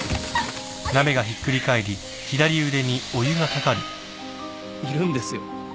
痛いるんですよ。